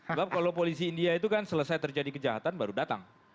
sebab kalau polisi india itu kan selesai terjadi kejahatan baru datang